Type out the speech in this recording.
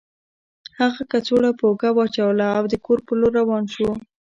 هغه کڅوړه په اوږه واچوله او د کور په لور روان شو